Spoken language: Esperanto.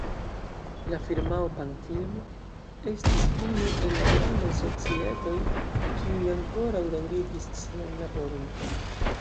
La firmao Pan-Film estis unu el la grandaj societoj, kiuj ankoraŭ daŭrigis sian laboron.